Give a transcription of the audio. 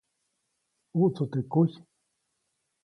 ʼUʼtsu teʼ kujy.